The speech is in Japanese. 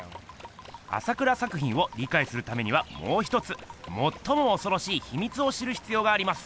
朝倉作品をりかいするためにはもうひとつもっともおそろしいひみつを知るひつようがあります。